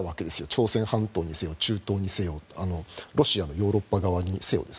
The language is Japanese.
朝鮮半島にせよ、中東にせよロシアのヨーロッパ側にせよ。